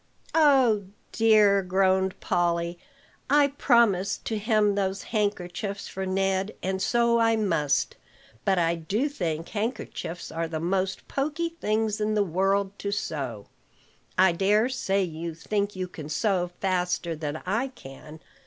"Oh, dear!" groaned Polly. "I promised to hem those handkerchiefs for Ned, and so I must; but I do think handkerchiefs are the most pokey things in the world to sew. I dare say you think you can sew faster than I can.